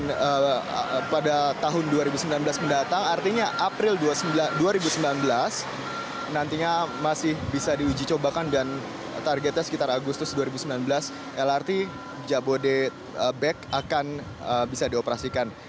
pada tahun dua ribu sembilan belas mendatang artinya april dua ribu sembilan belas nantinya masih bisa diuji cobakan dan targetnya sekitar agustus dua ribu sembilan belas lrt jabodetabek akan bisa dioperasikan